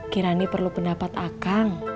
kirani perlu pendapat akang